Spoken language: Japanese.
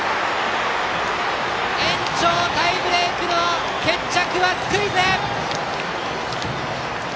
延長タイブレークの決着はスクイズ！